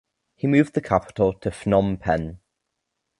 He moved the capital to Phnom Penh.